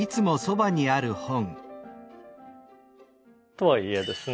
とはいえですね